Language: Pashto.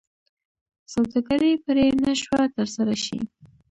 سوداګري پرې نه شوه ترسره شي.